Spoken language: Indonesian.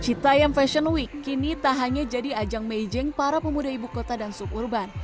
citayam fashion week kini tak hanya jadi ajang meijing para pemuda ibu kota dan suburban